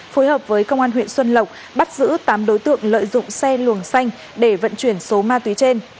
phối hợp với công an huyện xuân lộc bắt giữ tám đối tượng lợi dụng xe luồng xanh để vận chuyển số ma túy trên